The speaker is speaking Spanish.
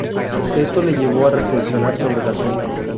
Esto le llevó a reflexionar sobre el asunto.